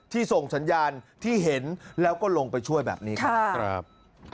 ส่งสัญญาณที่เห็นแล้วก็ลงไปช่วยแบบนี้ครับ